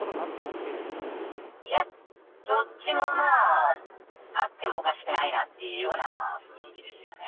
けれいや、どっちもまあ、あってもおかしくないなっていうような雰囲気ですよね。